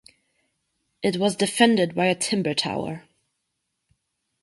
It was defended by a timber tower.